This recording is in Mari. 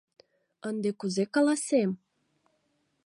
Ынде кузе каласем?